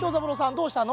どうしたの？